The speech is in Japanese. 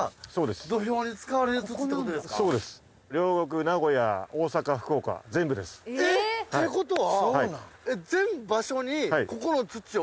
そうです。えっ！？ってことは。